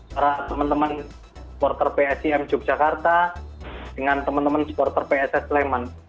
para teman teman supporter psim yogyakarta dengan teman teman supporter pss sleman